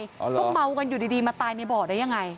ต้องเมากันอยู่ดีมาตายในบ่อได้ยังไง